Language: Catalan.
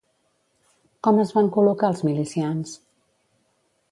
Com es van col·locar els milicians?